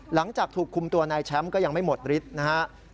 หลังจากถูกคุมตัวนายแชมป์ก็ยังไม่หมดฤทธิ์นะครับ